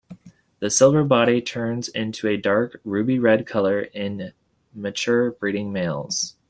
The silver body turns into a dark ruby red color in mature, breeding males.